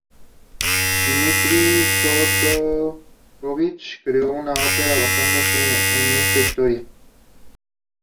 Dmitri Shostakóvich creó una ópera basándose en esta historia.